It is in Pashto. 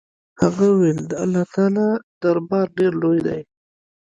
هغه وويل د الله تعالى دربار ډېر لوى دې.